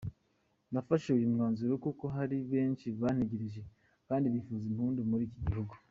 Nafashe uyu mwanzuro kuko hari benshi bantegereje kandi bifuza impinduka muri iki gihugu.